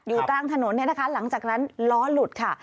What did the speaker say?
อยู่ตลาดถนนที่งแขน่นะคะหลังจากนั้นล้อหลุดค่ะ